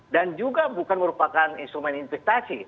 dan juga bukan merupakan instrumen investasi